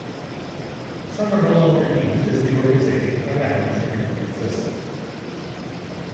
Some are no longer used as the organizations are now using commercial systems.